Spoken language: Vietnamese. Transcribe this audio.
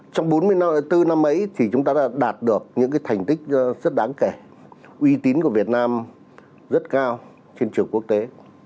trong bốn mươi bốn năm ấy thì chúng ta đã đạt được những thành tích rất đáng kể uy tín của việt nam rất cao trên trường quốc tế